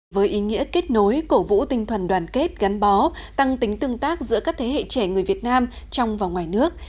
với ý nghĩa kết nối cổ vũ tinh thần đoàn kết gắn bó tăng tính tương tác giữa các thế hệ trẻ người việt nam trong và ngoài nước